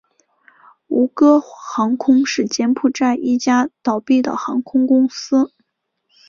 吴哥航空是柬埔寨一家倒闭的航空公司。